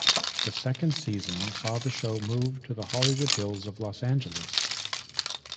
The second season saw the show moved to the Hollywood Hills of Los Angeles.